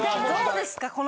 どうですか？